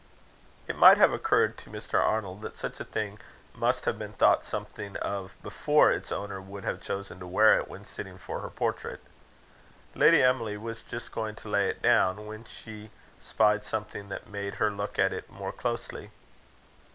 It might have occurred to Mr. Arnold, that such a thing must have been thought something of, before its owner would have chosen to wear it when sitting for her portrait. Lady Emily was just going to lay it down, when she spied something that made her look at it more closely.